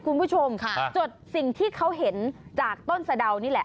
คุณผู้ชมค่ะจดสิ่งที่เขาเห็นจากต้นสะดาวนี่แหละ